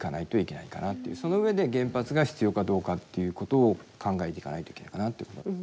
その上で原発が必要かどうかっていうことを考えていかないといけないかな。